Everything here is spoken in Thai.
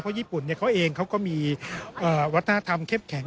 ญี่ปุ่นเขาเองเขาก็มีวัฒนธรรมเข้มแข็ง